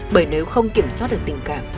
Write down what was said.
bởi nếu không kiểm soát được tình cảm